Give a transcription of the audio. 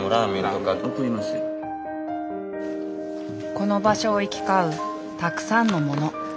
この場所を行き交うたくさんの物。